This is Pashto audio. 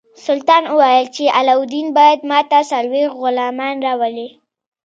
سلطان وویل چې علاوالدین باید ماته څلوېښت غلامان راولي.